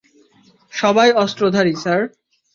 সবাই অস্ত্রধারী, স্যার।